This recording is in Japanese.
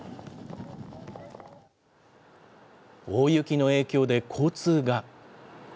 大雪の影響で交通が。